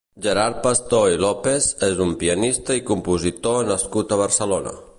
Gerard Pastor i López és un pianista i compositor nascut a Barcelona.